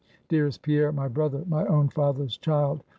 Dearest Pierre, my brother, my own father's child!